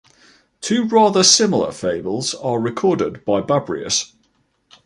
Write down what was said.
Two rather similar fables are recorded by Babrius.